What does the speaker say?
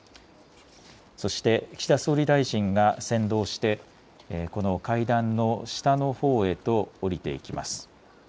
そして岸田総理大臣が先導してこの階段の下のほうへと下りていきます。